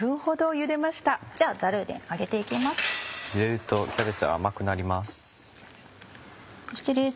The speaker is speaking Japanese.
ゆでるとキャベツは甘くなります。